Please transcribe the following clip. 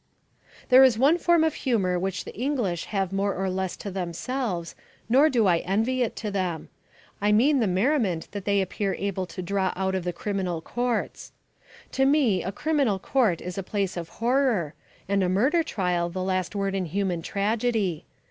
There is one form of humour which the English have more or less to themselves, nor do I envy it to them. I mean the merriment that they appear able to draw out of the criminal courts. To me a criminal court is a place of horror, and a murder trial the last word in human tragedy.